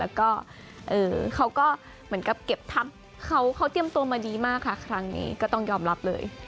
แล้วก็เขาก็เหมือนกับเก็บทัพเขาเตรียมตัวมาดีมากค่ะครั้งนี้ก็ต้องยอมรับเลย